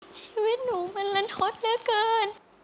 ชีวิตหนูมันลันทดเหลือเกิน